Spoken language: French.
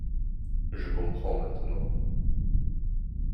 Je comprends maintenant.